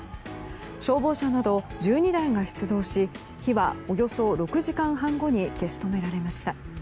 消防車など１２台が出動し火はおよそ６時間半後に消し止められました。